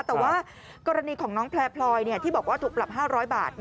แต่ว่ากรณีของน้องแพลพลอยที่บอกว่าถูกปรับ๕๐๐บาท